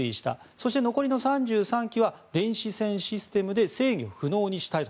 そして残りの３３機は電子戦システムで制御不能にした。